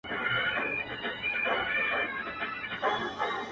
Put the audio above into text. ما بې له دوى څه د ژوند لار خپله موندلاى نه سوه,